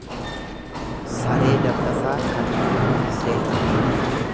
Saree dabbasaa kan dutu hin seehan.